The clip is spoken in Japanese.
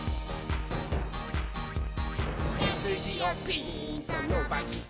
「せすじをピーンとのばして」